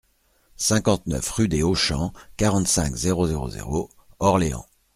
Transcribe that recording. cinquante-neuf rue des Hauts-Champs, quarante-cinq, zéro zéro zéro, Orléans